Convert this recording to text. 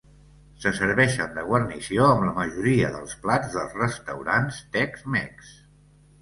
Se serveixen de guarnició amb la majoria dels plats dels restaurants Tex-Mex.